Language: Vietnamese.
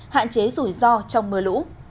hạn chế rủi ro trong mưa lũ